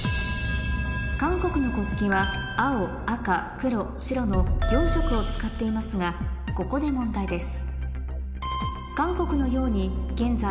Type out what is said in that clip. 韓国の国旗は４色を使っていますがここで問題です